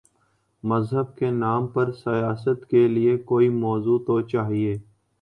مذہب کے نام پر سیاست کے لیے کوئی موضوع تو چاہیے۔